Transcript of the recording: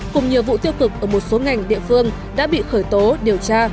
cùng nhiều vụ tiêu cực ở một số ngành địa phương đã bị khởi tố điều tra